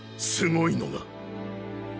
すごいのが。